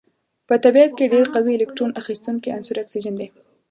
په طبیعت کې ډیر قوي الکترون اخیستونکی عنصر اکسیجن دی.